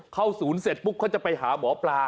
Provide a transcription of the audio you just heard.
ศูนย์เสร็จปุ๊บเขาจะไปหาหมอปลา